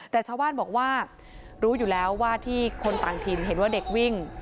แต่ชาวบ้านบอกว่ารู้อยู่แล้วว่าที่คนต่างถิ่นเห็นว่าเด็กวิ่ง